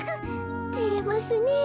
てれますねえ。